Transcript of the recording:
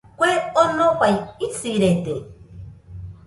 Kue onofai isirede